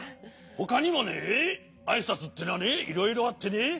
ほかにもねあいさつってのはねいろいろあってね